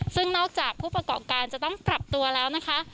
ซึ่งนอกจากผู้ประกอบการจะต้องปรับตัวแล้วนะคะ